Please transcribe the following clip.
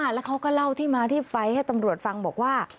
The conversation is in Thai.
แล้วเขาก็เล่าที่มาที่ไปให้ตำรวจฟังบอกว่า